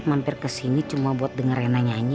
mampir kesini cuma buat denger reina nyanyi